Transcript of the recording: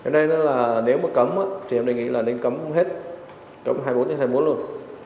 nên là nếu mà cấm thì em đề nghị là nên cấm hết cấm hai mươi bốn hai mươi bốn luôn